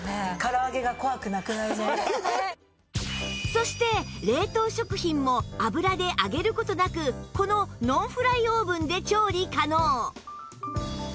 そして冷凍食品も油で揚げる事なくこのノンフライオーブンで調理可能